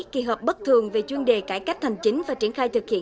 kỳ họp bất thường về chuyên đề cải cách hành chính và triển khai thực hiện